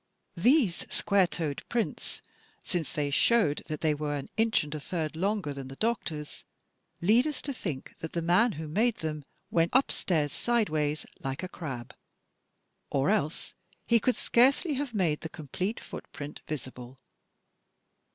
These square toed prints, since they showed that they were an inch and a third longer than the doctor's, lead us to think that the man who made them went upstairs sidewise like a crab, or else he could scarcely have made the complete foot print visible.